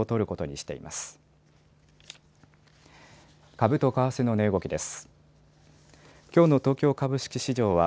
株と為替の値動きです。